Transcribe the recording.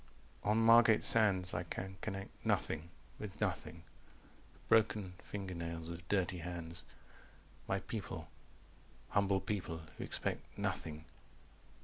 "On Margate Sands. 300 I can connect Nothing with nothing. The broken fingernails of dirty hands. My people humble people who expect Nothing."